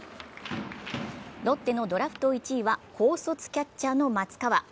ロッテのドラフト１位は高卒キャッチャーの松川。